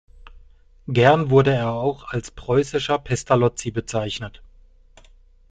Gern wurde er auch als Preußischer Pestalozzi bezeichnet.